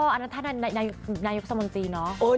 อันนั้นท่านนายกสมนตรีเนาะ